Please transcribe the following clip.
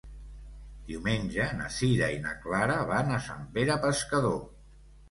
Diumenge na Sira i na Clara van a Sant Pere Pescador.